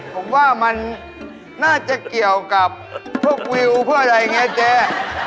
ผมว่ามันน่าจะเกี่ยวกับพวกวิวเพื่ออะไรอย่างนี้เจ๊